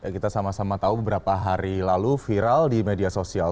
kita sama sama tahu beberapa hari lalu viral di media sosial